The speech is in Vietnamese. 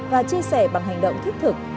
và chia sẻ bằng hành động thích thực